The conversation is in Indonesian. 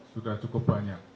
sudah cukup banyak